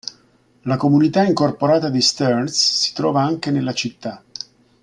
La comunità incorporata di Stearns si trova anche nella città.